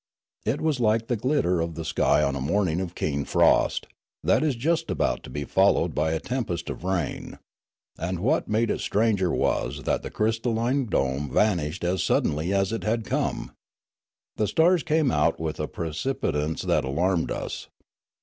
It was like the glitter of the sky on a morning of keen frost, that is just about to be followed by a tempest of rain ; and what made it stranger was that the 'crystalline dome vanished as suddenly as it had come. The stars came out with a precipitance that alarmed us.